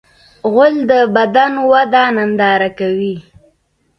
غول د بدن وده ننداره کوي.